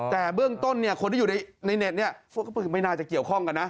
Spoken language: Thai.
แต่เบื้องต้นเนี่ยคนที่อยู่ในเน็ตเนี่ยไม่น่าจะเกี่ยวข้องกันนะ